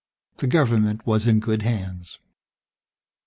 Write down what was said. The government was in good hands.